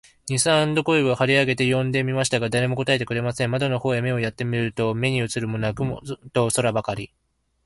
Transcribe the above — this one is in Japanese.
二三度声を張り上げて呼んでみましたが、誰も答えてくれません。窓の方へ目をやって見ると、目にうつるものは雲と空ばかり、